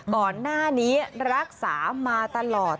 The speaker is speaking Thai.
ก่อนหน้านี้รักษามาตลอด